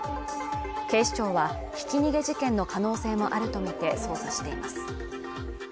警視庁はひき逃げ事件の可能性もあるとみて捜査しています